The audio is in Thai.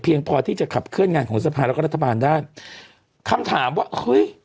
พอที่จะขับเคลื่อนงานของสภาแล้วก็รัฐบาลได้คำถามว่าเฮ้ย